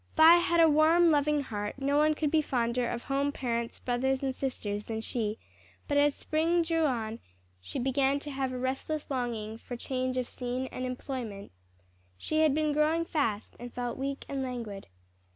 Vi had a warm, loving heart; no one could be fonder of home, parents, brothers and sisters than she, but as spring drew on, she began to have a restless longing for change of scene and employment. She had been growing fast, and felt weak and languid.